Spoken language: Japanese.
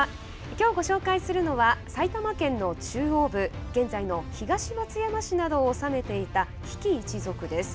きょうご紹介するのは埼玉県の中央部、現在の東松山市などを治めていた比企一族です。